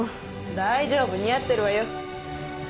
大丈夫似合ってるわよ。